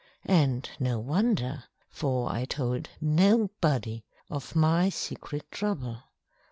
And no wonder, for I told nobody of my secret trouble!